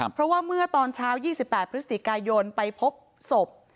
เพราะว่าเมื่อตอนเช้า๒๘พฤศจิกายนไปพบศพ